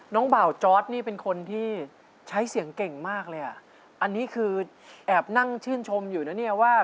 บ่าวจอร์ดนี่เป็นคนที่ใช้เสียงเก่งมากเลยอ่ะอันนี้คือแอบนั่งชื่นชมอยู่นะเนี่ยว่า